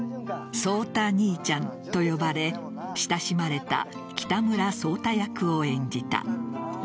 草太兄ちゃんと呼ばれ親しまれた北村草太役を演じた。